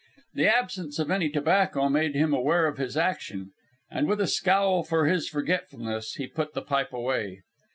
The absence of any tobacco made him aware of his action, and, with a scowl for his forgetfulness, he put the pipe away.